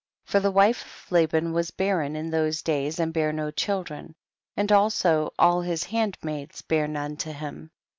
27. For the wife of Laban was barren in those days, and bare no children, and also all his handmaids bare none to him.